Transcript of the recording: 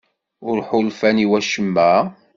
Ur ḥulfan i wacemma?